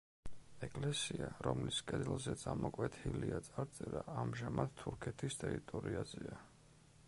ეკლესია, რომლის კედელზეც ამოკვეთილია წარწერა, ამჟამად თურქეთის ტერიტორიაზეა.